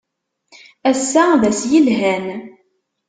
Ass-a d ass yelhan!